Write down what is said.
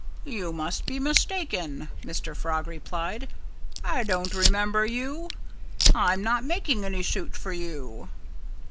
"You must be mistaken," Mr. Frog replied. "I don't remember you. I'm not making any suit for you."